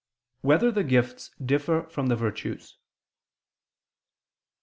1] Whether the Gifts Differ from the Virtues?